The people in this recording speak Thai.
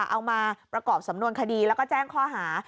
เอามาประกอบสำนวนคดีแล้วก็แจ้งข้อหา